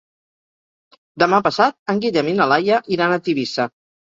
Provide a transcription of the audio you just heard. Demà passat en Guillem i na Laia iran a Tivissa.